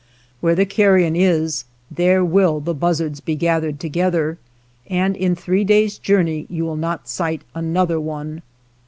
Where the carrion is, there will the buzzards be gathered together, and in three days' journey you will not sight another one.